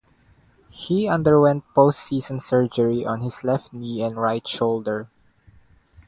He underwent postseason surgery on his left knee and right shoulder.